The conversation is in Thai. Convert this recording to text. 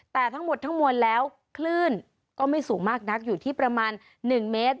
แต่ทั้งหมดทั้งมวลแล้วคลื่นก็ไม่สูงมากนักอยู่ที่ประมาณ๑เมตร